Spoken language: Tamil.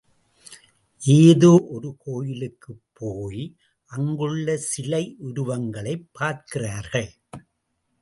ஏதோ ஒரு கோயிலுக்குப் போய் அங்குள்ள சிலை உருவங்களைப் பார்க்கிறார்கள்.